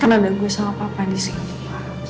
karena udah gue sama papa disini